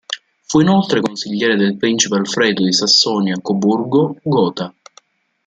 Fu inoltre consigliere del principe Alfredo di Sassonia-Coburgo-Gotha.